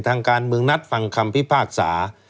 ทางการเมืองนัดฟังคำพิพากษา